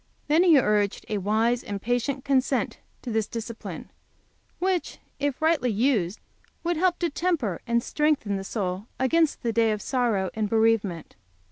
Then he urged to a wise and patient consent to this discipline, which, if rightly used, would help to temper and strengthen the soul against the day of sorrow and bereavement.